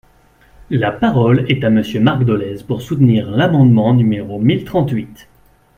La parole est à Monsieur Marc Dolez, pour soutenir l’amendement numéro mille trente-huit.